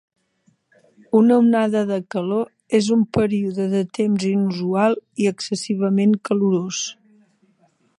Una onada de calor és un període de temps inusual i excessivament calorós.